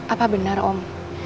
apa benar om